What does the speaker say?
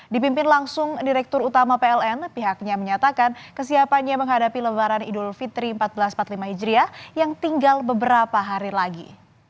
dipimpin langsung direktur utama pln pihaknya menyatakan kesiapannya menghadapi lebaran idul fitri seribu empat ratus empat puluh lima hijriah yang tinggal beberapa hari lagi